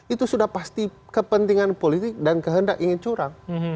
itu sudah pasti kepentingan politik dan kehendak ingin curang